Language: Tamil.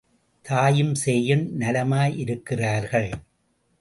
தாயும் சேயும் நலமாயிருக்கிறார்கள்.